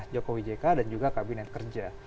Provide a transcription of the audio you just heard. jokowi jk dan juga kabinet kerja